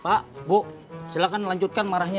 pak bu silakan lanjutkan marahnya